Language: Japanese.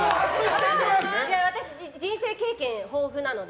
私、人生経験豊富なので。